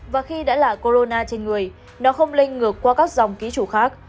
và khi đã là corona trên người nó không lây ngược qua các dòng ký chủ khác